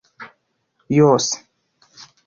yose